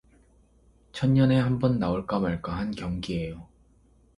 천 년에 한 번 나올까 말까 한 경기에요.